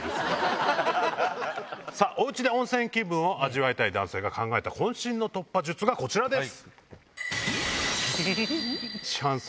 お家で温泉気分を味わいたい男性が考えた渾身の突破術がこちらです。